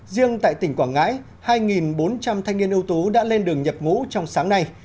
riêng tại tỉnh quảng ngãi hai bốn trăm linh thanh niên ưu tú đã lên đường nhập ngũ trong sáng nay